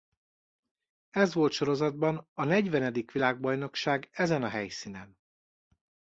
Ez volt sorozatban a negyvenedik világbajnokság ezen a helyszínen.